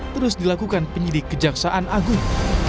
terus dilakukan penyidik kejaksaan agung